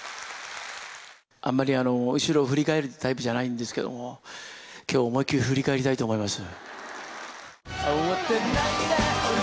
あんまり後ろを振り返るタイプじゃないんですけれども、きょう、思いっ切り振り返りたいと思います。